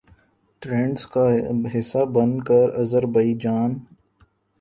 trends کا حصہ بن کر آذربائیجان